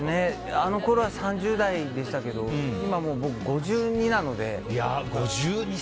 あのころは３０代でしたけど今僕５２なので。